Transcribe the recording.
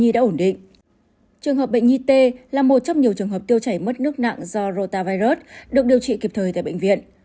trường hợp bệnh nhi t là một trong nhiều trường hợp tiêu chảy mất nước nặng do rota viret được điều trị kịp thời tại bệnh viện